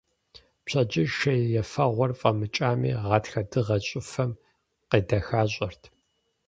Пщэдджыжь шей ефэгъуэр фIэмыкIами, гъатхэ дыгъэр щIыфэм къедэхащIэрт.